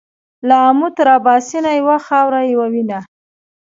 له امو تر اباسينه يوه خاوره يوه وينه.